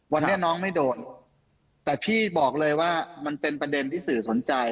วันนี้น้องไม่โดนแต่พี่บอกเลยว่ามันเป็นประเด็นที่สื่อสนใจ